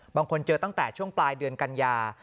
บางคนเจอตั้งแต่ช่วงปลายเดือนกันยา